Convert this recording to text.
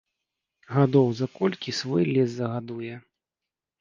Гадоў за колькі свой лес загадуе.